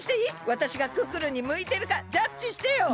わたしがクックルンにむいてるかジャッジしてよ！